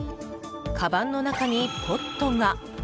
かばんの中にポットが。